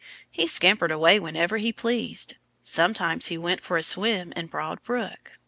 He scampered away whenever he pleased. Sometimes he went for a swim in Broad Brook.